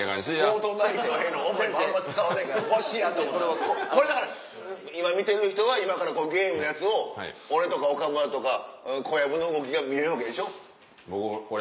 『フォートナイト』への思いもあんま伝わらへんからもしやと思ったらこれだから今見てる人は今からこのゲームのやつを俺とか岡村とか小籔の動きが見れるわけでしょ。